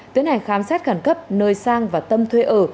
tiến hành khám xét khẩn cấp nơi sang và tâm thuê ở